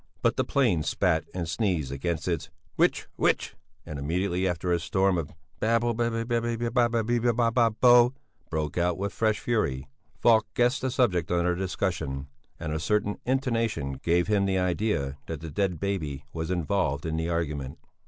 But the plane spat and sneezed again its hwitch hwitch, and immediately after a storm of Babili bebili bibili bobili bubili bybili bäbili bö broke out with fresh fury. Falk guessed the subject under discussion, and a certain intonation gave him the idea that the dead baby was involved in the argument.